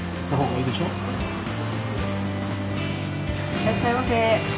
いらっしゃいませ。